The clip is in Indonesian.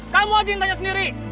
kamu aja yang tanya sendiri